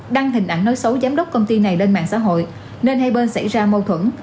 đăng hình ảnh nói xấu giám đốc công ty này lên mạng xã hội nên hai bên xảy ra mâu thuẫn